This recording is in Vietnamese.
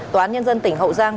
tòa nhân dân tỉnh hậu giang